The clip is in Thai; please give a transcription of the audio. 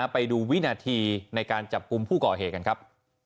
ไปดูวินาทีในการจับกลุ่มผู้ก่อเหตุกันครับ